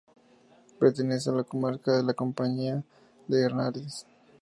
Pertenece a la comarca de la Campiña del Henares.